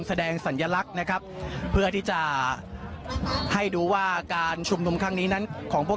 สัญลักษณ์นะครับเพื่อที่จะให้ดูว่าการชุมนุมครั้งนี้นั้นของพวก